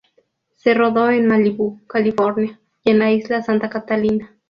Se rodó en Malibú, California, y en la Isla Santa Catalina.